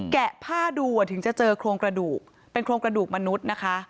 แกะผ้าดูถึงจะเจอโครงกระดูกเป็นโครงกระดูกมนุษย์นะคะ